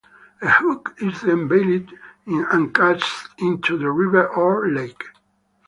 A hook is then baited and cast into the river or lake.